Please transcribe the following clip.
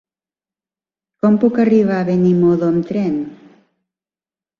Com puc arribar a Benimodo amb tren?